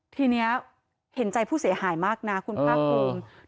ทีนี้เห็นใจผู้เสียหายมากนะคุณภาคภูมิ